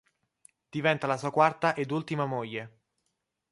Diventa la sua quarta ed ultima moglie.